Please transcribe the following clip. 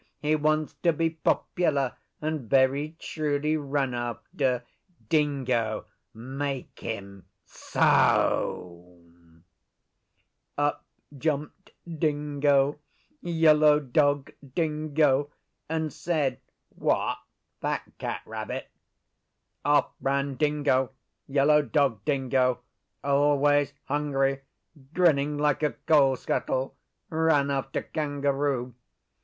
He wants to be popular and very truly run after. Dingo, make him SO!' Up jumped Dingo Yellow Dog Dingo and said, 'What, that cat rabbit?' Off ran Dingo Yellow Dog Dingo always hungry, grinning like a coal scuttle, ran after Kangaroo.